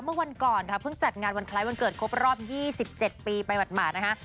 เมื่อวันก่อนค่ะเพิ่งจัดงานวันคล้ายวันเกิดครบรอบ๒๗ปีไปหมาดนะคะ